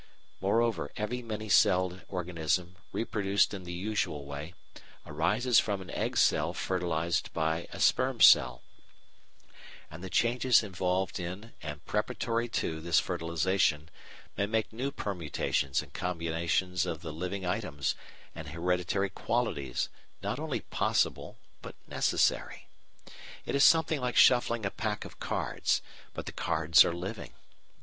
Moreover, every many celled organism reproduced in the usual way, arises from an egg cell fertilised by a sperm cell, and the changes involved in and preparatory to this fertilisation may make new permutations and combinations of the living items and hereditary qualities not only possible but necessary. It is something like shuffling a pack of cards, but the cards are living.